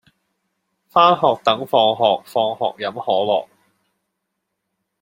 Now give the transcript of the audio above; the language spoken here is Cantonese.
返學等放學放學飲可樂